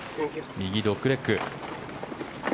右ドッグレッグ。